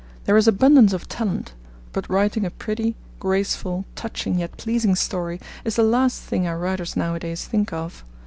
There is abundance of talent; but writing a pretty, graceful, touching, yet pleasing story is the last thing our writers nowadays think of.